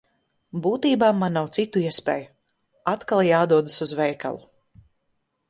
Būtībā man nav citu iespēju – atkal jādodas uz veikalu.